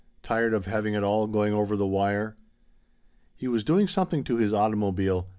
Tired of having it all going over the wire. "He was doing something to his automobile.